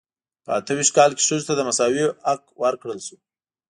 په اته ویشت کال کې ښځو ته مساوي حق ورکړل شو.